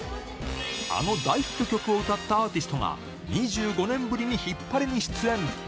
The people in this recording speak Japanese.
あの大ヒット曲を歌ったアーティストが、２５年ぶりにヒッパレに出演。